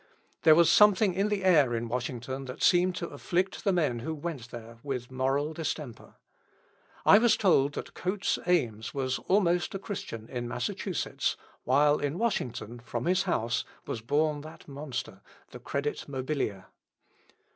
There was something in the air in Washington that seemed to afflict the men who went there with moral distemper. I was told that Coates Ames was almost a Christian in Massachusetts, while in Washington, from his house, was born that monster The Credit Mobilier.